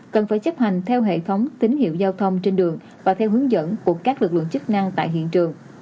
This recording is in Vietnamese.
cần phải chấp hành theo hệ thống tín hiệu giao thông trên đường và theo hướng dẫn của các lực lượng chức năng tại hiện trường